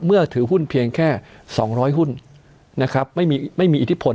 ถือหุ้นเพียงแค่๒๐๐หุ้นนะครับไม่มีอิทธิพล